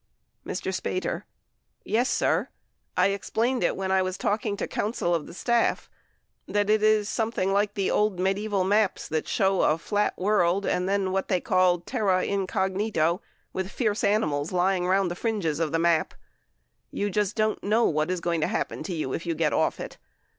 Mr. Spater. Yes. sir, I explained it when I was talking to counsel of the staff that it is something like the old medieval maps that show a flat world and then what they called "terra incognito," with fierce animals lying around the fringes of this map. You just don't know what is going to happen to you if you get off it.